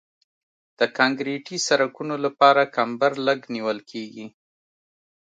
د کانکریټي سرکونو لپاره کمبر لږ نیول کیږي